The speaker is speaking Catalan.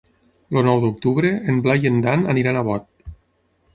El nou d'octubre en Blai i en Dan aniran a Bot.